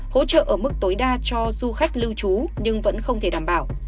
hỗ trợ ở mức tối đa cho du khách lưu trú nhưng vẫn không thể đảm bảo